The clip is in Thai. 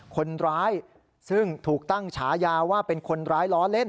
คนร้ายซึ่งถูกตั้งฉายาว่าเป็นคนร้ายล้อเล่น